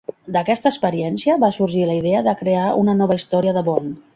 D'aquesta experiència va sorgir la idea de crear una nova història de Bond.